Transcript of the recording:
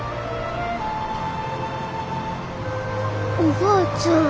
おばあちゃん。